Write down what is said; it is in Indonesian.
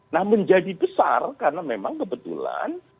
nah menjadi besar karena memang kebetulan